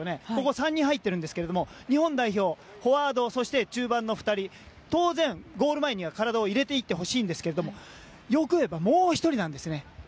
３人入っているんですが日本代表はフォワードそして中盤の２人当然、ゴール前には体を入れていってほしいんですが欲を言えばもう１人なんですよね。